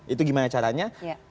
itu gimana caranya